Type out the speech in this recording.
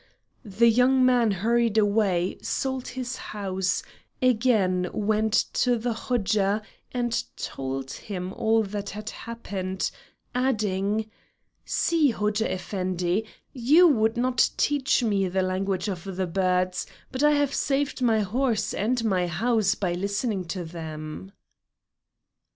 The young man hurried away, sold his house, again went to the Hodja and told him all that had happened, adding: "See, Hodja Effendi, you would not teach me the language of the birds, but I have saved my horse and my house by listening to them."